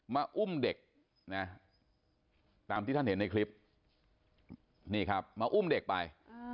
อุ้มเด็กนะตามที่ท่านเห็นในคลิปนี่ครับมาอุ้มเด็กไป